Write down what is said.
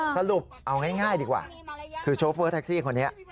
สรุปเอาง่ายดีกว่าคือโชเฟอร์แท็กซี่คนนี้